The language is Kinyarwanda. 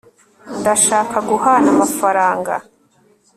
ndashaka guhana amafaranga